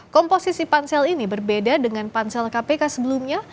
komposisi pansel ini berbeda dengan pansel kpk sebelumnya